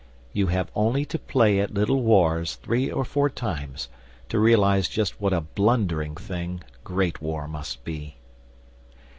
You have only to play at Little Wars three or four times to realise just what a blundering thing Great War must be.